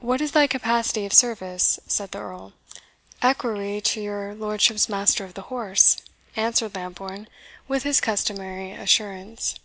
"What is thy capacity of service?" said the Earl. "Equerry to your lordship's master of the horse," answered Lambourne, with his customary assurance.